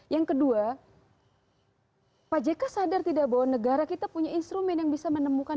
yang kedua pak jk sadar tidak bahwa negara kita punya instrumen yang bisa menemukan